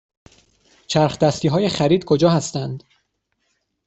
چرخ دستی های خرید کجا هستند؟